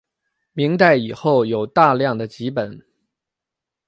明代以后有大量的辑本。